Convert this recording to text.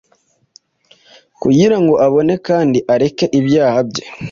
kugira ngo abone kandi areke ibyaha bye